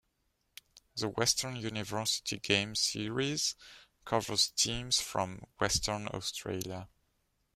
The Western University Games Series covers teams from Western Australia.